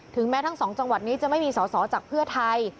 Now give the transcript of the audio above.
แม้ทั้งสองจังหวัดนี้จะไม่มีสอสอจากเพื่อไทย